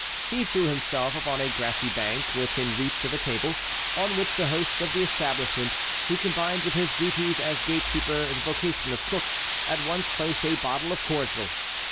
He threw himself upon a grassy bank within reach of a table on which the host of the establishment, who combined with his duties as gatekeeper the vocation of cook, at once placed a bottle of cordial.